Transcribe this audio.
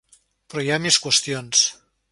Però hi ha més qüestions.